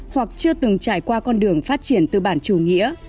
hoặc chưa từng trải qua con đường phát triển tư bản chủ nghĩa